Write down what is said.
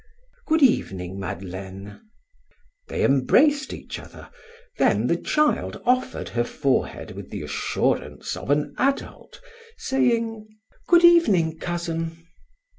"Good evening, Madeleine." They embraced each other, then the child offered her forehead with the assurance of an adult, saying: "Good evening, cousin."